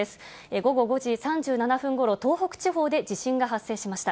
午後５時３７分ごろ、東北地方で地震が発生しました。